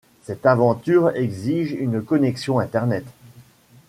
Cette aventure exige une connexion internet.